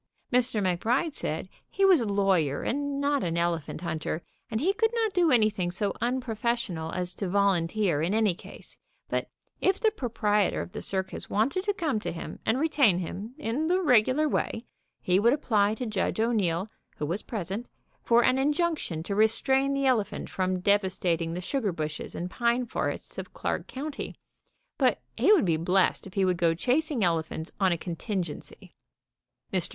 Mr. McBride said he was a lawyer and not an elephant hunter, and lie could not do anything so unprofessional as to vol unteer in any case, but if the proprietor of the circus wanted to come to him and retain him, in the regular way, he would apply to Judge O'Neil, who was pres ent, for an injunction to restrain the elephant from devastating the sugar bushes and pine forests of Clark county, but he would be blessed if he would go chas ing elephants on a contingency. Mr.